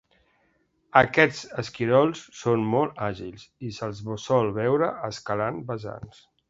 Aquests esquirols són molt àgils, i se'ls sol veure escalant vessants.